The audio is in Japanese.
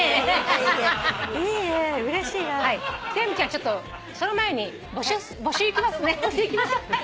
ちょっとその前に募集いきますね。